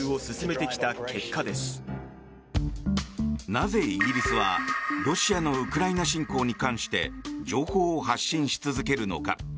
なぜイギリスはロシアのウクライナ侵攻に関して情報を発信し続けるのか。